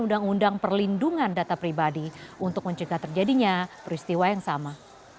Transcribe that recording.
undang undang perlindungan data pribadi untuk mencegah terjadinya peristiwa yang sama